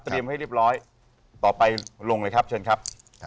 ให้เรียบร้อยต่อไปลงเลยครับเชิญครับ